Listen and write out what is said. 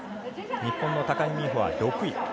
日本の高木美帆は６位。